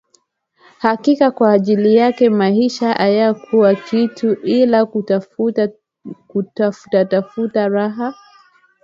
Hakika kwa ajili yake maisha hayakuwa kitu ila kutafuta tafuta raha